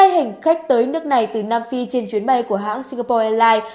hai hành khách tới nước này từ nam phi trên chuyến bay của hãng singapore airlines